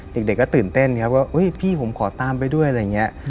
เด็กก็ตื่นเต้นครับว่าพี่ผมขอตามไปด้วยอะไรอย่างนี้